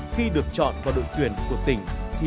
khi được chọn vào đội tuyển cuộc thi